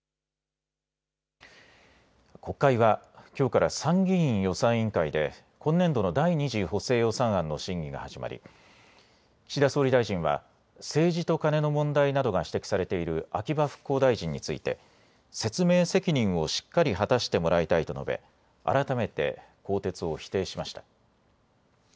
国会はきょうから参議院予算委員会で今年度の第２次補正予算案の審議が始まり岸田総理大臣は政治とカネの問題などが指摘されている秋葉復興大臣について説明責任をしっかり果たしてもらいたいと述べ、改めて更迭を否定しました。